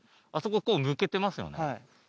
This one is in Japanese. あそこむけてますよね？